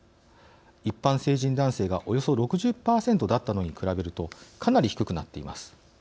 一般成人男性がおよそ６０％だったのに比べるとかなり低くなっています。